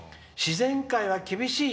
自然界は厳しい。